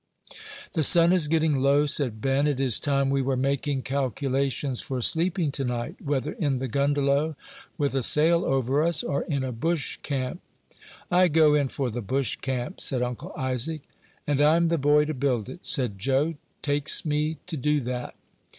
"The sun is getting low," said Ben; "it is time we were making calculations for sleeping to night, whether in the 'gundelow,' with a sail over us, or in a bush camp." "I go in for the bush camp," said Uncle Isaac. "And I'm the boy to build it," said Joe; "takes me to do that."